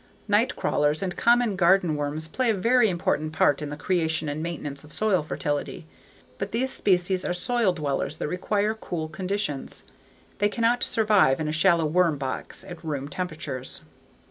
Nightcrawlers and common garden worms play a very important part in the creation and maintenance of soil fertility. But these species are soil dwellers that require cool conditions. They cannot survive in a shallow worm box at room temperatures.